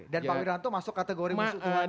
dan pak wiraanto masuk kategori musuh tuhan itu